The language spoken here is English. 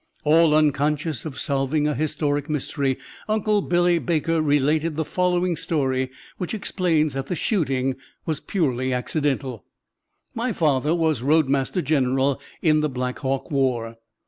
All unconscious of solving a historic mystery, "Uncle Billy" Baker related the following story which explains that the shooting was purely accidental: "My father was roadmaster general in the Black Hawk War.